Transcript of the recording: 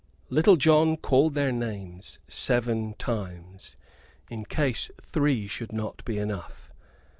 Little John called their names seven times, in case three should not be enough.